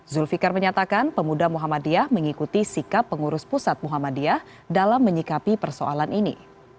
zulfiqar menyatakan pemuda muhammadiyah mengikuti sikap pengurus pusat muhammadiyah dalam menyikapi persoalan ini